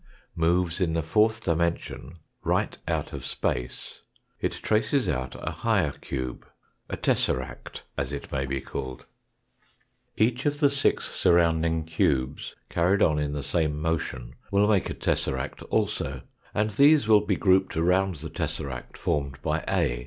moves in the fourth dimension right out of space, it traces out a higher cube a tesseract, as it may be called. 160 THE FOURTH DlMENSlOK Each of the six surrounding cubes carried on in the satne motion will make a tesseract also, and these will be grouped around the tesseract formed by A.